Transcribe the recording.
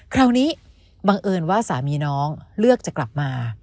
คราวนี้บังเอิญว่าสามีน้องเลือกจะกลับมา